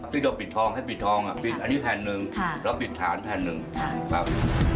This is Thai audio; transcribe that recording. ที่เราปิดทองให้ปิดทองอันนี้แผ่นหนึ่งเราปิดฐานแผ่นหนึ่งครับ